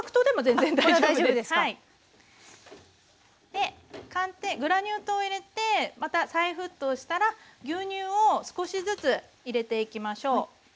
でグラニュー糖を入れてまた再沸騰したら牛乳を少しずつ入れていきましょう。